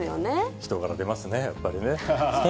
人柄出ますね、やっぱりね。